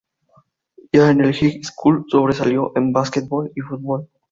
Ya en el "High School", sobresalió en basketball y fútbol.